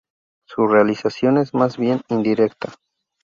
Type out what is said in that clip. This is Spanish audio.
Su realización es más bien indirecta.